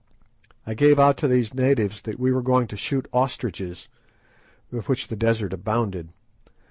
I gave out to these natives that we were going to shoot ostriches, with which the desert abounded.